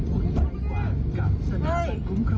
จอยอย่าเปิดรถนะ